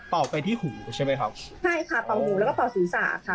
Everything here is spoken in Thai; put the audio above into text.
ไปที่หูใช่ไหมครับใช่ค่ะเป่าหูแล้วก็เป่าศีรษะค่ะ